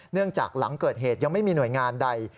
หลังจากหลังเกิดเหตุยังไม่มีหน่วยงานใด